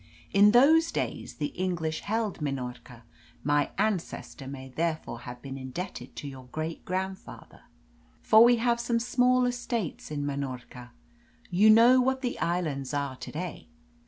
In those days the English held Minorca; my ancestor may therefore have been indebted to your great grandfather, for we have some small estates in Minorca. You know what the islands are to day.